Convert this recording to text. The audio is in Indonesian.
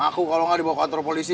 aku kalau nggak dibawa ke kantor polisi